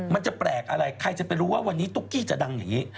มันจะแปลกอะไรใครจะไปรู้ว่าวันนี้ตุ๊กกี้จะดังอย่างนี้